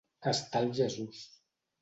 Estar al Jesús.